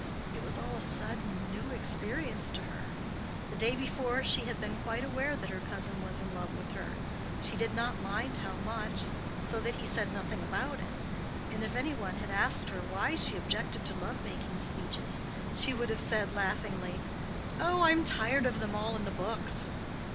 It was all a sudden, new experience to her. The day before she had been quite aware that her cousin was in love with her; she did not mind how much, so that he said nothing about it; and if any one had asked her why she objected to love making speeches, she would have said, laughingly, "Oh I am tired of them all in the books."